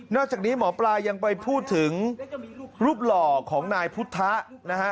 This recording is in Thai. จากนี้หมอปลายังไปพูดถึงรูปหล่อของนายพุทธะนะฮะ